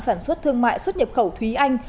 sản xuất thương mại xuất nhập khẩu thúy anh